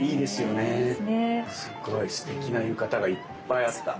すっごいすてきな浴衣がいっぱいあった！